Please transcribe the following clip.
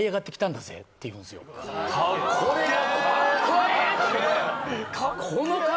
これが。